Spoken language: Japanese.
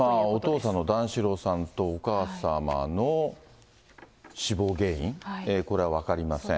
お父さんの段四郎さんとお母様の死亡原因、これは分かりません。